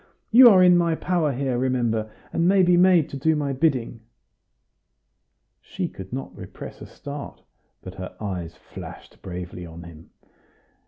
You are in my power here, remember, and may be made to do my bidding." She could not repress a start, but her eyes flashed bravely on him.